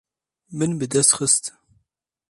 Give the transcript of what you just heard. Min bi dest xist.